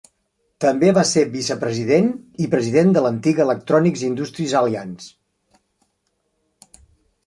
També va ser vicepresident i president de l'antiga Electronics Industries Alliance.